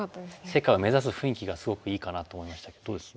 世界を目指す雰囲気がすごくいいかなと思いましたけどどうです？